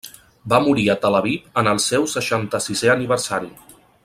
Va morir a Tel Aviv en el seu seixanta-sisè aniversari.